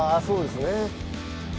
そうですね。